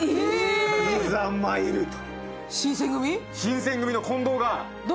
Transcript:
「いざ、参る」と。